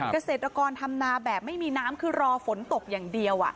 เกษตรกรทำนาแบบไม่มีน้ำคือรอฝนตกอย่างเดียว